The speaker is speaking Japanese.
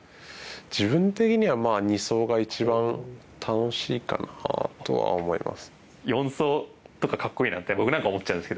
自分的には２走が一番楽しいかなとは思います。